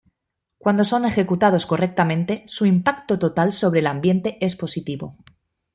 Cuando son ejecutados correctamente, su impacto total sobre el ambiente es positivo.